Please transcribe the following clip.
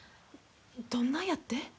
どんなやって？